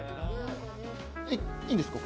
いいんですか？